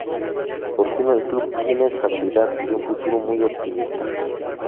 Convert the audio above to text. Por fin el club tiene estabilidad y un futuro muy optimista.